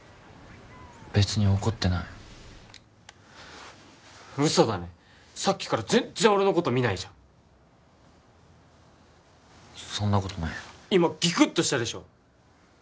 別に怒ってないウソだねさっきから全然俺のこと見ないじゃんそんなことない今ギクッとしたでしょ